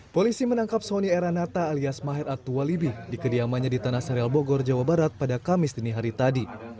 polisi menangkap sony eranata alias maher atualibi di kediamannya di tanah serial bogor jawa barat pada kamis dini hari tadi